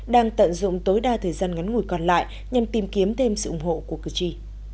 đang tận dụng tối đa thời gian ngắn ngủi còn lại nhằm tìm kiếm thêm sự ủng hộ của cử tri